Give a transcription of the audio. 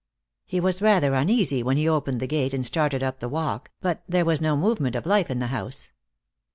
He was rather uneasy when he opened the gate and started up the walk, but there was no movement of life in the house.